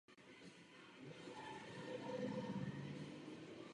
V Břeclavi vychodil obecnou školu a nastoupil na gymnázium.